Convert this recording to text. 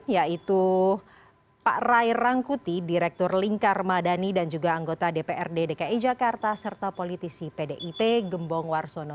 yaitu pak rai rangkuti direktur lingkar madani dan juga anggota dprd dki jakarta serta politisi pdip gembong warsono